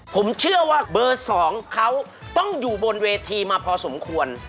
ผมเชื่อว่าเบอร์๒เขาต้องอยู่บนเวทีมาพอสมควร